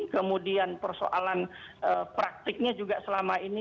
kemudian persoalan praktiknya juga selama ini